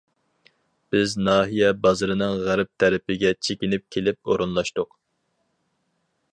بىز ناھىيە بازىرىنىڭ غەرب تەرىپىگە چېكىنىپ كېلىپ ئورۇنلاشتۇق.